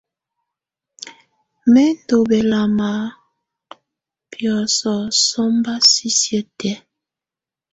Mɛ ndù bɛlama biɔ́sɔ̀ sɔmba sisiǝ́ tɛ̀á.